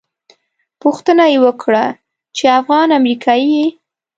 پوښتنه یې وکړه چې افغان امریکایي یې.